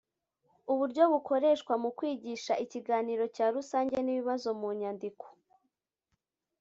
Uburyo bukoreshwa mu kwigisha ikiganiro cya rusange n ibibazo mu nyandiko